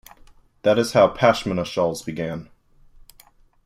That is how pashmina shawls began.